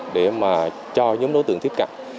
để cho nhóm đối tượng tiếp cận